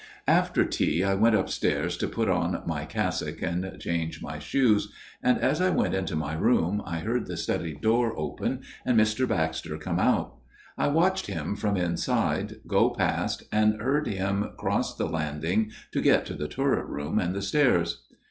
" After tea I went upstairs to put on my cassock and change my shoes, and as I went into my room I heard the study door open and Mr. Baxter come out. I watched him, from inside, go past, and heard him cross the landing to get to the turret room and the stairs.